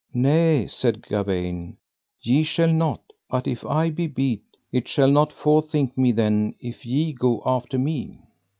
Nay, said Gawaine, ye shall not but if I be beat; it shall not for think me then if ye go after me.